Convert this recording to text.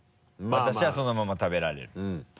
私はそのまま食べられる。